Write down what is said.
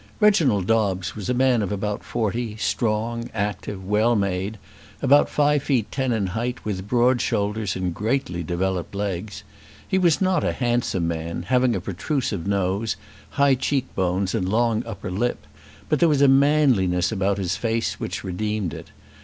Reginald Dobbes was a man of about forty, strong, active, well made, about five feet ten in height, with broad shoulders and greatly developed legs. He was not a handsome man, having a protrusive nose, high cheek bones, and long upper lip; but there was a manliness about his face which redeemed it.